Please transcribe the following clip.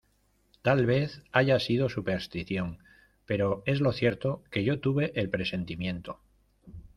tal vez haya sido superstición, pero es lo cierto que yo tuve el presentimiento.